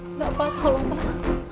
tidak pak tolong pak